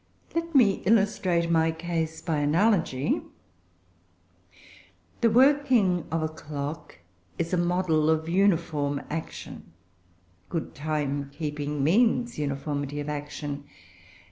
Let me illustrate my case by analogy. The working of a clock is a model of uniform action; good time keeping means uniformity of action.